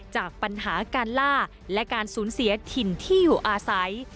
จากปัญหาการล่าและการสูญเสียถิ่นที่อยู่อาศัย